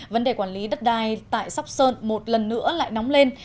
vấn đề quản lý đất đai tại sóc sơn một lần nữa lại nóng lên